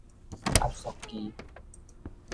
壓縮機